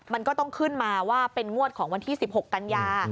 มันก็ต้องขึ้นมาว่าเป็นงวดของวันที่๑๖กันยา